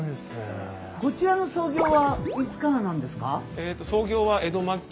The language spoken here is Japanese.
こちらの創業はいつからなんですか？